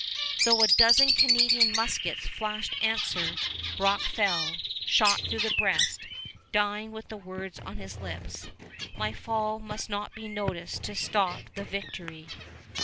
Though a dozen Canadian muskets flashed answer, Brock fell, shot through the breast, dying with the words on his lips, "My fall must not be noticed to stop the victory."